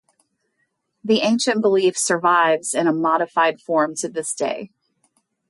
The ancient belief survives in a modified form to this day.